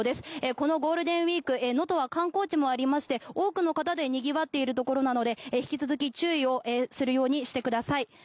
このゴールデンウィーク能登は観光地もありまして多くの方でにぎわっているところなので引き続き注意をするようにしてください。